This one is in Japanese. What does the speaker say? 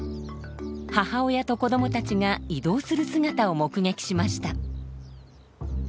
母親と子どもたちが移動する姿を目撃しました。